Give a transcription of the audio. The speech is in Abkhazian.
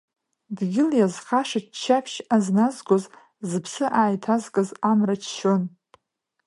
Дгьыл иазхаша ччаԥшь азназгоз, зыԥсы ааиҭазкыз Амра ччон.